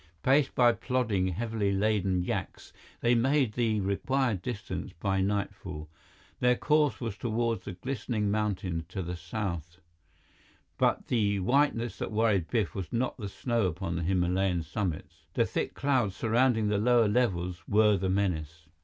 Paced by plodding, heavily laden yaks, they made the required distance by nightfall. Their course was toward the glistening mountains to the south, but the whiteness that worried Biff was not the snow upon the Himalayan summits. The thick clouds surrounding the lower levels were the menace.